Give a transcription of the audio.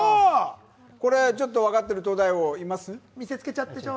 これ分かってる東大王います？